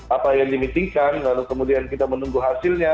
apa yang dimikirkan lalu kemudian kita menunggu hasilnya